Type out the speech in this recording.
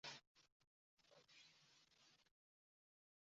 大部份蚁鸟的喙都相对较大及重型。